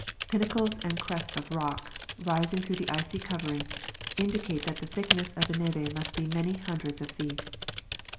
Pinnacles and crests of rock, rising through the ic}^ covering, indicate that the thickness of the neve must be many hundreds of feet.